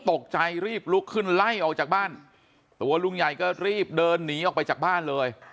ตกใจรีบลุกขึ้นไล่ออกจากบ้านตัวลุงใหญ่ก็รีบเดินหนีออกไปจากบ้านเลย